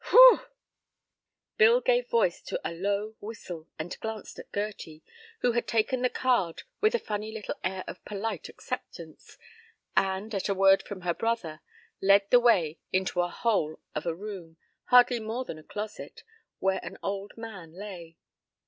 "Whew!" Bill gave voice to a low whistle, and glanced at Gerty, who had taken the card with a funny little air of polite acceptance, and, at a word from her brother, led the way into a hole of a room, hardly more than a closet, where an old man lay.